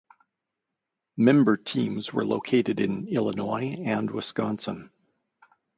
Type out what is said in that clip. Member teams were located in Illinois and Wisconsin.